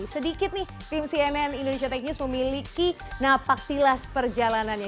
sedikit nih tim cnn indonesia tech news memiliki napaktilas perjalanannya